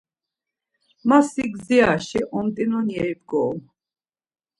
Ma, si gdziraşi omt̆inon yeri bgorum.